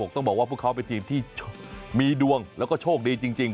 ต้องบอกว่าพวกเขาเป็นทีมที่มีดวงแล้วก็โชคดีจริง